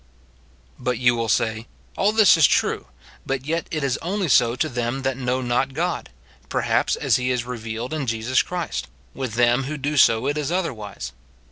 But you will say, "All this is true, but yet it is only so to them that know not God, perhaps, as he is revealed in Jesus Christ ; with them who do so it is otherwise.